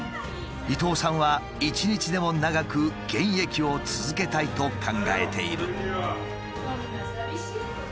伊東さんは一日でも長く現役を続けたいと考えている。